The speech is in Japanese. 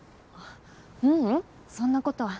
ううんそんなことは。